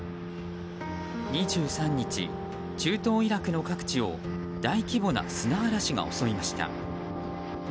２３日、中東イラクの各地を大規模な砂嵐が襲いました。